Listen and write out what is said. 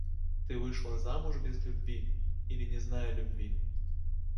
Ты вышла замуж без любви или не зная любви.